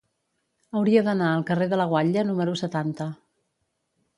Hauria d'anar al carrer de la Guatlla número setanta.